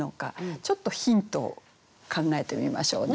ちょっとヒントを考えてみましょうね。